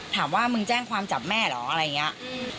ถามว่ามึงแจ้งความจับแม่เหรออะไรอย่างนี้